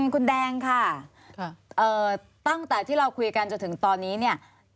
คุณแดงค่ะตั้งแต่ที่เราคุยกันจนถึงตอนนี้เนี่ย